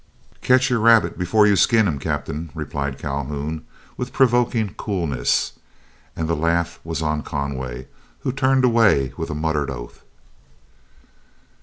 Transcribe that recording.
"Catch your rabbit before you skin him, Captain," replied Calhoun, with provoking coolness; and the laugh was on Conway, who turned away with a muttered oath.